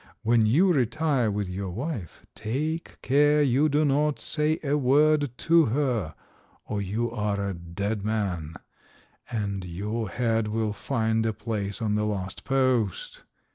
When you retire with your wife, take care you do not say a word to her, or you are a dead man, and your head will find a place on the last post.